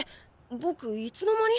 ぼくいつの間に？